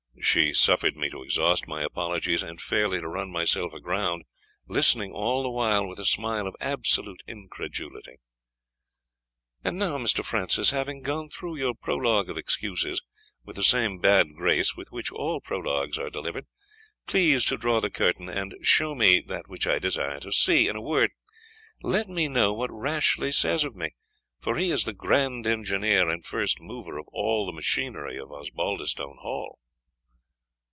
She suffered me to exhaust my apologies, and fairly to run myself aground, listening all the while with a smile of absolute incredulity. "And now, Mr. Francis, having gone through your prologue of excuses, with the same bad grace with which all prologues are delivered, please to draw the curtain, and show me that which I desire to see. In a word, let me know what Rashleigh says of me; for he is the grand engineer and first mover of all the machinery of Osbaldistone Hall."